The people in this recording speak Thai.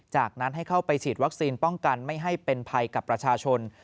จากนั้นให้เข้าไปฉีดวัคซีนป้องกันไม่ให้เป็นภัยกับประชาชน